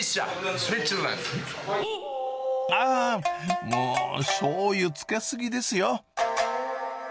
あー、もうしょうゆつけ過ぎですよ。